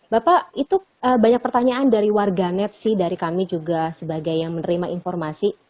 bapak itu banyak pertanyaan dari warga net sih dari kami juga sebagai yang menerima informasi